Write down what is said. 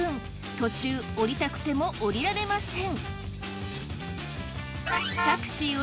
途中降りたくても降りられません。